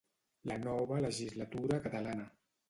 La nova legislatura catalana.